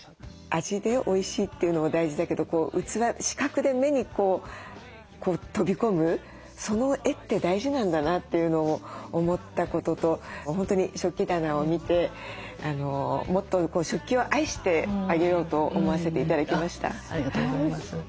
味でおいしいというのも大事だけど器視覚で目にこう飛び込むその絵って大事なんだなというのを思ったことと本当に食器棚を見てもっと食器を愛してあげようと思わせて頂きました。